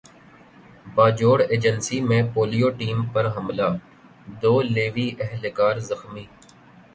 Bajaur agency میں polio team پر حملہ دو لیوی اہلکار زخمی